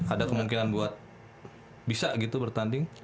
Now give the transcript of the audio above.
ada kemungkinan buat bisa gitu bertanding